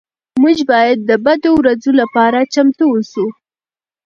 موږ باید د بدو ورځو لپاره چمتو اوسو.